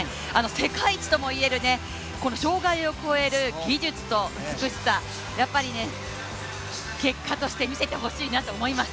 世界一ともいえるこの障害を越える技術と美しさ、やっぱり、結果として見せてほしいなと思います。